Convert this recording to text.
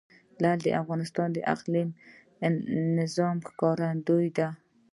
لعل د افغانستان د اقلیمي نظام ښکارندوی ده.